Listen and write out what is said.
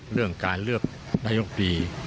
เรื่องการเลือกนายกดี